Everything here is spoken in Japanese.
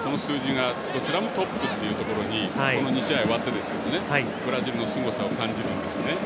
その数字がどちらもトップというところに２試合、終わってですがブラジルのすごさを感じますね。